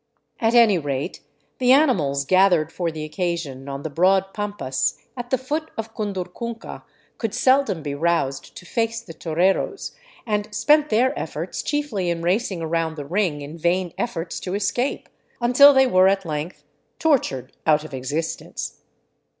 At any rate, the animals gathered for the occasion on the broad pampas at the foot of Cundurcunca could seldom be roused to face the toreros, and spent 391 VAGABONDING DOWN THE ANDES their efforts chiefly in racing around the '' ring " in vain efforts to escape, until they were at length tortured out of existence.